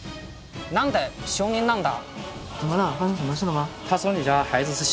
何で小人なんだ